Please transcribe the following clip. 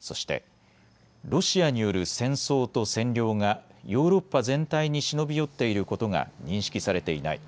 そしてロシアによる戦争と占領がヨーロッパ全体に忍び寄っていることが認識されていない。